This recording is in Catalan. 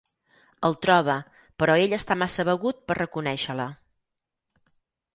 El troba, però ell està massa begut per reconèixer-la.